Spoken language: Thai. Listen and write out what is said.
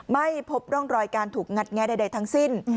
ไม่พบร่องรอยการถูกงัดแงะใดทั้งสิ้น